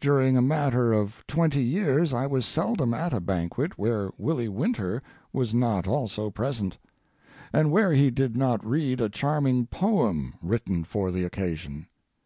During a matter of twenty years I was seldom at a banquet where Willie Winter was not also present, and where he did not read a charming poem written for the occasion.